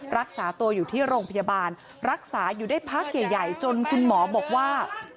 รักษาตัวอยู่ที่โรงพยาบาลรักษาอยู่ได้พักใหญ่จนคุณหมอบอกว่า